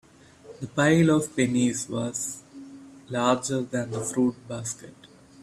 The pile of pennies was larger than the fruit basket.